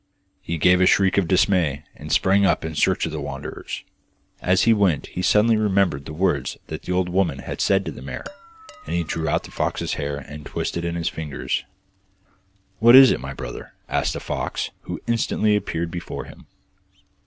He gave a shriek of dismay, and sprang up in search of the wanderers. As he went he suddenly remembered the words that the old woman had said to the mare, and he drew out the fox hair and twisted it in his fingers. 'What is it, my brother?' asked the fox, who instantly appeared before him.